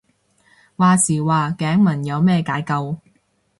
話時話頸紋有咩解救